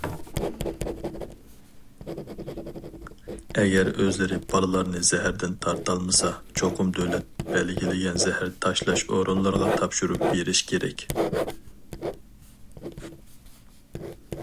ئەگەر ئۆزلىرى بالىلارنى زەھەردىن تارتالمىسا، چوقۇم دۆلەت بەلگىلىگەن زەھەر تاشلاش ئورۇنلىرىغا تاپشۇرۇپ بېرىش كېرەك.